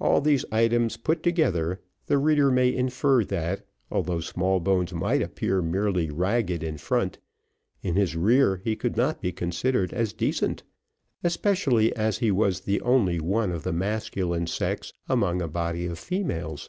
All these items put together, the reader may infer, that, although Smallbones might appear merely ragged in front, that in his rear he could not be considered as decent, especially as he was the only one of the masculine sex among a body of females.